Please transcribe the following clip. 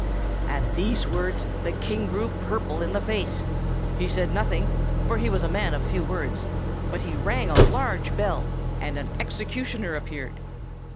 At these words the King grew purple in the face. He said nothing, for he was a man of few words; but he rang a large bell, and an executioner appeared.